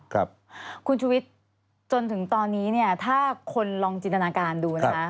คุณชุวิตจนถึงตอนนี้เนี่ยถ้าคนลองจินตนาการดูนะคะ